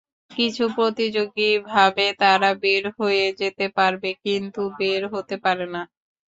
কিছু প্রতিযোগী ভাবে তারা বের হয়ে যেতে পারবে, কিন্তু বের হতে পারে না।